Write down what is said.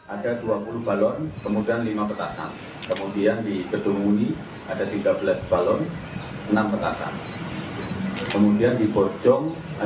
ada dua puluh balon kemudian lima petasan kemudian di ketumuni ada tiga belas balon enam petasan